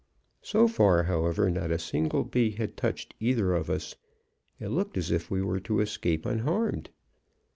"So far, however, not a single bee had touched either of us. It looked as if we were to escape unharmed.